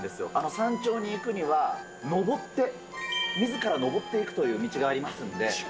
山頂に行くには、登って、みずから上っていくという道がありますんで。